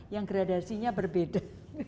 yang gradasinya berbeda